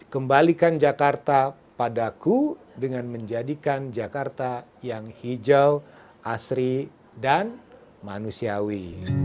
kembalikan jakarta padaku dengan menjadikan jakarta yang hijau asri dan manusiawi